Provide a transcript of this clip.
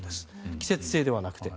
季節性ではなくて。